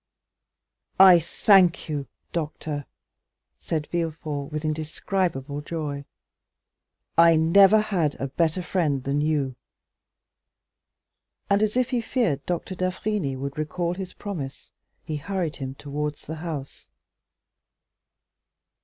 '" "I thank you, doctor," said Villefort with indescribable joy; "I never had a better friend than you." And, as if he feared Doctor d'Avrigny would recall his promise, he hurried him towards the house.